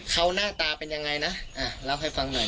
เขาหน้าตาเป็นยังไงนะเล่าให้ฟังหน่อย